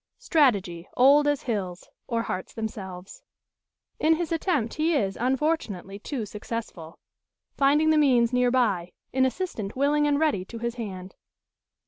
Strategy, old as hills, or hearts themselves. In his attempt he is, unfortunately, too successful; finding the means near by an assistant willing and ready to his hand.